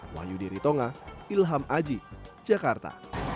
wahyu diri tonga ilham aji jakarta